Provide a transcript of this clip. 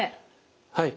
はい。